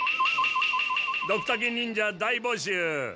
「ドクタケ忍者大募集！」。